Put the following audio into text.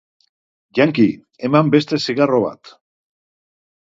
Yanki, eman beste zigarro bat.